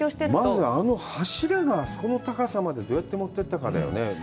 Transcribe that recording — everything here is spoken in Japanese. まずあの柱があそこの高さまでどうやって持っていったかだよね。